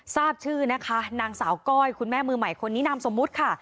ทราบชื่อนะคะนางสาวก้อยคุณแม่มือใหม่คนนี้นามสมมุติค่ะ